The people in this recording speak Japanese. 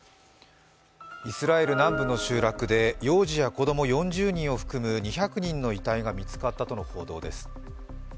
イスラエル南部の集落で幼児や子供４０人を含む２００人の遺体が見つかったとの報道です。